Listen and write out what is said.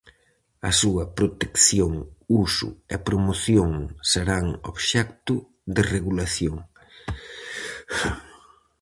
A súa protección, uso e promoción serán obxecto de regulación.